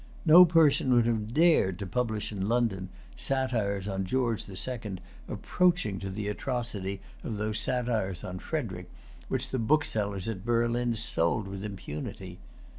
No person would have dared to publish in London satires on George the Second approaching to the atrocity of those satires on Frederic, which the booksellers at Berlin sold with impunity.